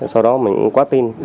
sau đó mình cũng quá tin